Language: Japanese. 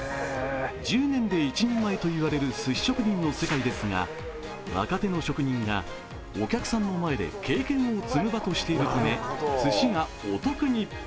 １０年で一人前といわれるすし職人の世界ですが若手の職人がお客さんの前で経験を積む場としているためすしがお得に。